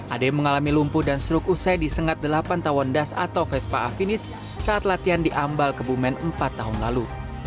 ade mengalami lumpuh dan struk usai disengat delapan tawon das atau vespa afinis saat latihan di ambal kebumen empat tahun lalu